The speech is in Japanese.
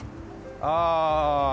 ああ。